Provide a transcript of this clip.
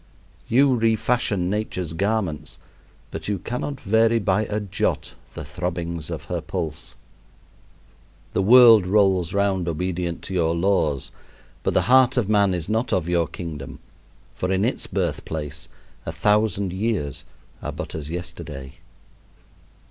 You refashion Nature's garments, but you cannot vary by a jot the throbbings of her pulse. The world rolls round obedient to your laws, but the heart of man is not of your kingdom, for in its birthplace "a thousand years are but as yesterday."